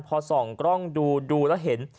พอส่องกล้องดูดูแล้วเห็น